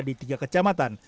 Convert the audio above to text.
di tiga kecamatan